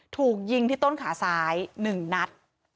ถูกยิงที่ต้นขาซ้าย๑นัด